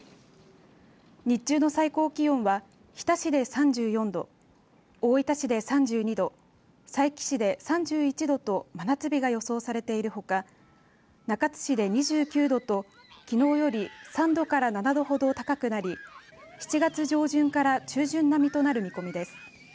日中の最高気温は日田市で３４度大分市で３２度佐伯市で３１度と真夏日が予想されているほか中津市で２９度ときのうより３度から７度ほど高くなり７月上旬から中旬並みとなる見込みです。